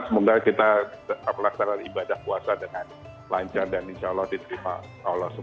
semoga kita tetap melaksanakan ibadah puasa dengan lancar dan insya allah diterima allah swt